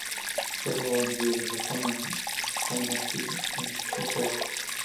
Fue rodada en la ciudad de Japón, en Hamamatsu en Shizuoka.